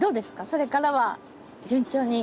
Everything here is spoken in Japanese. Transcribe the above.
それからは順調に？